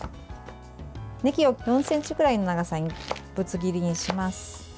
ねぎを４ｃｍぐらいの長さにぶつ切りにします。